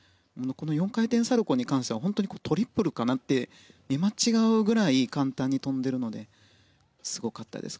４回転サルコウに関してはトリプルかなと見間違うぐらい簡単に跳んでいるのですごかったです。